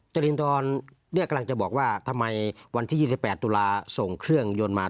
จรินทรกำลังจะบอกว่าทำไมวันที่๒๘ตุลาส่งเครื่องยนต์มา